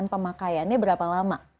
tanpa pakaiannya berapa lama